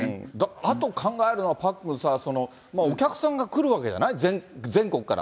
あと考えるのはパックンさ、お客さんが来るわけじゃない、全国から。